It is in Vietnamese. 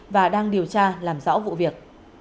và đang điều tra làm rõ vụ việc